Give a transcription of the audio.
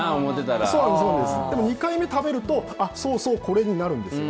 でも２回目食べるとそうそう、これになるんです。